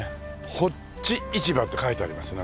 「発地市庭」って書いてありますね